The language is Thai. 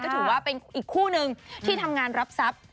ถือว่าเป็นอีกคู่หนึ่งที่ทำงานรับทรัพย์